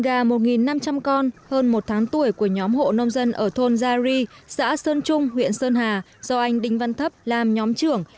đàn gà một năm trăm linh con hơn một tháng tuổi của nhóm hộ nông dân ở thôn gia ri xã sơn trung huyện sơn hà do anh đinh văn thấp làm nhóm trưởng